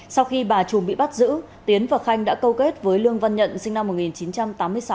sau khi bà trùm bị bắt giữ tiến và khanh đã câu kết với lương văn nhận sinh năm một nghìn chín trăm tám mươi sáu